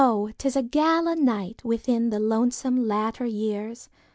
'tis a gala nightWithin the lonesome latter years!